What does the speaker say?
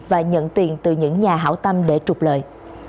và nhận tiền từ những nhà hảo tâm để trục lợi